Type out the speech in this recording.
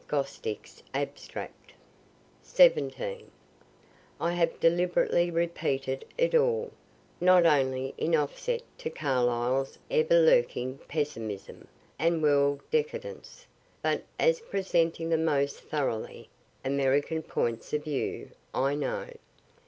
Gostick's abstract. I have deliberately repeated it all, not only in offset to Carlyle' s everlurking pessimism and world decadence, but as presenting the most thoroughly American points of view I know.